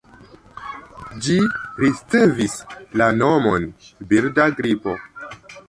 Ĝi ricevis la nomon „birda gripo”.